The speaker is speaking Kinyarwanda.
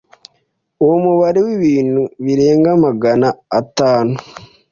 Uwo mubare w'ibintu birenga Magana atanu